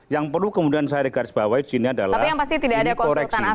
yang perlu kemudian saya garis bawah di sini adalah koreksi